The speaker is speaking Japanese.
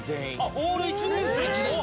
オール１年生。